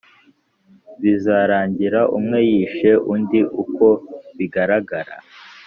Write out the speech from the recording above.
Bizarangira umwe yishe undi uko bigaragara